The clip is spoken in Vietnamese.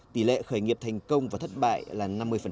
tỷ lệ khởi nghiệp thành công và thất bại là năm mươi